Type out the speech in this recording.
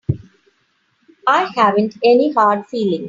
I haven't any hard feelings.